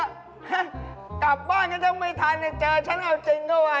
หึกลับบ้านก็จะไม่ทันแต่เจอฉันเอาจริงเข้ามา